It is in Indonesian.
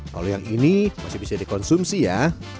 kalau yang ini masih bisa dikonsumsi ya